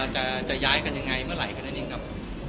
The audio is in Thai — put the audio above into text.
จะย้ายกันยังไงเมื่อไหร่แค่นั้นเองครับ